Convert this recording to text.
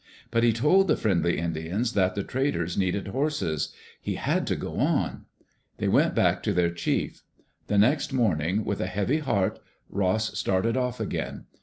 But he told the friendly Indians that the traders needed horses. He had to go on. They went back to their chief. The next morning, with a heavy heart, Ross started off again.